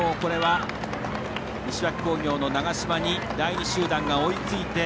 西脇工業の長嶋に第２集団が追いついて。